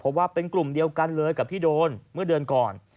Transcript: เพราะว่าเป็นกลุ่มเดียวกันเลยกับที่โดนเมื่อเดือนก่อน